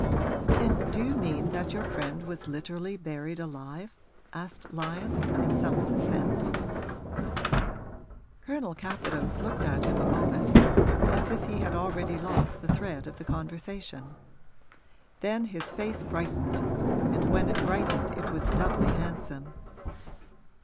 'And do you mean that your friend was literally buried alive?' asked Lyon, in some suspense. Colonel Capadose looked at him a moment, as if he had already lost the thread of the conversation. Then his face brightened and when it brightened it was doubly handsome.